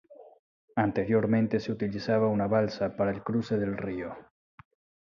Anteriormente se utilizaba una balsa para el cruce del río.